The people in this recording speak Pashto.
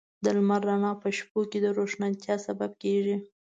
د لمر رڼا په شپو کې د روښانتیا سبب کېږي.